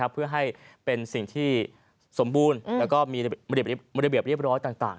เพื่อให้เป็นสิ่งที่สมบูรณ์แล้วก็มีระเบียบเรียบร้อยต่าง